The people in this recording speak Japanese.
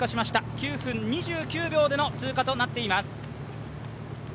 ９分２９秒での通過となっています。